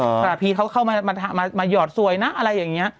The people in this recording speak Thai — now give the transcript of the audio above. ใช่คือพี่เขามีรูปปะเนี่ย